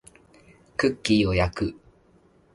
クッキーを焼く